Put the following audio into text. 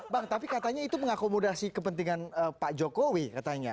bang tapi katanya itu mengakomodasi kepentingan pak jokowi katanya